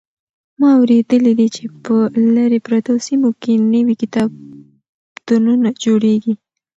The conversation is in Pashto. ما اورېدلي دي چې په لرې پرتو سیمو کې نوي کتابتونونه جوړېږي.